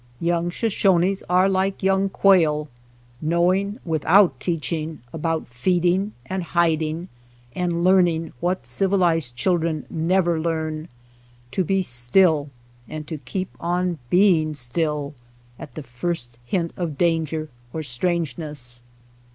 Young Shoshones are like young quail, knowing without teaching about feeding and hiding, and learning what civilized chil dren never learn, to be still and to keep on being still, at the first hint of danger or strangeness.